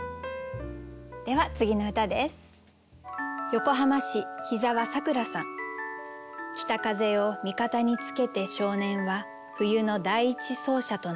では次の歌です。